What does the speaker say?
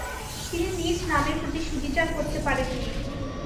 তিনি নিজ নামের প্রতি সুবিচার করতে পারেননি।